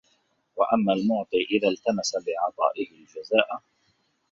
وَأَمَّا الْمُعْطِي إذَا الْتَمَسَ بِعَطَائِهِ الْجَزَاءَ